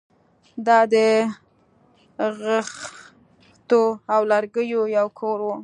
دا د خښتو او لرګیو یو کور و